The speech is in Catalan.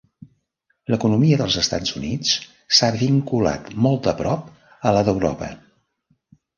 L’economia dels Estats Units s'ha vinculat més de prop a la d’Europa.